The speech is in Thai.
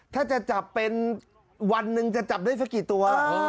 ถ้าจะจับเป็นวันหนึ่งจะจับได้สักกี่ตัว